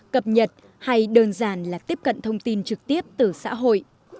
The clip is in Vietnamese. cập nhật hay đơn giản là tiếp cận thông tin trực tiếp từ xã hội